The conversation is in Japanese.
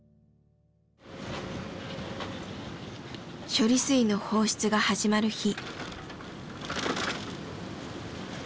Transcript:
処理水の放出が始まる日。